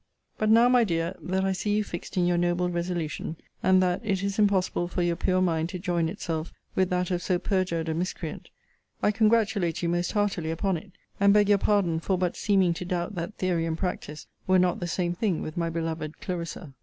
But now, my dear, that I see you fixed in your noble resolution; and that it is impossible for your pure mind to join itself with that of so perjured a miscreant; I congratulate you most heartily upon it; and beg your pardon for but seeming to doubt that theory and practice were not the same thing with my beloved Clarissa.